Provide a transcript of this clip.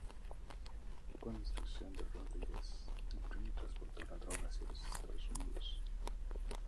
Con la instrucción de "Rodríguez", el primo transportó la droga hacia los Estados Unidos.